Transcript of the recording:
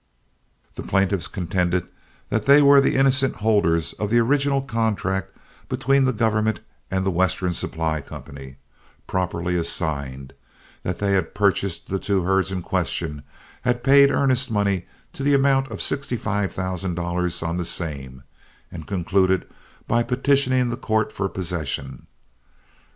The plaintiffs contended that they were the innocent holders of the original contract between the government and The Western Supply Company, properly assigned; that they had purchased these two herds in question, had paid earnest money to the amount of sixty five thousand dollars on the same, and concluded by petitioning the court for possession.